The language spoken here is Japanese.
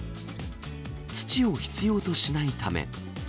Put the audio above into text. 土を必要としないため。